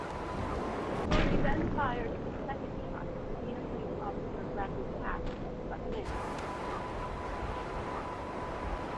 Yorie then fired a second shot at Medina police officer Bradley Kapp but missed.